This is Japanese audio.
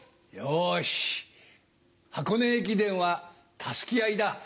よし箱根駅伝はタスキ合いだ。